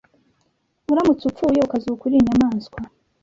Uramutse upfuye ukazuka uri inyamaswa